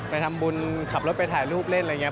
ไปทำบุญขับรถไปถ่ายรูปเล่นอะไรอย่างนี้